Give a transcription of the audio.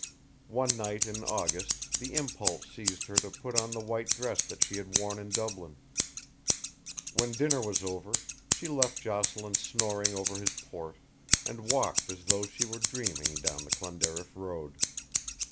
One night in August the impulse seized her to put on the white dress that she had worn in Dublin. When dinner was over she left Jocelyn snoring over his port and walked as though she were dreaming down the Clonderriff road.